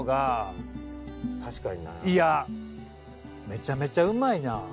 めちゃめちゃうまいな。